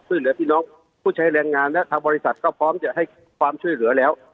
ช่วยเหลือพี่น้องผู้ใช้แรงงานและทางบริษัทก็พร้อมจะให้ความช่วยเหลือแล้ว